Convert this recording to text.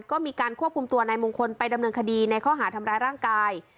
ก็มีการควบคุมตัวนายมงคลไปดำเนินคดีในข้อหาทำร้ายร่างกาย